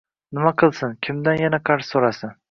Nima qilsin, kimdan yana qarz soʻrasin?